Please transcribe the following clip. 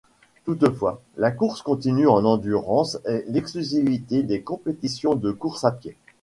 Toutefois, la course continue en endurance est l'exclusivité des compétitions de course à pied.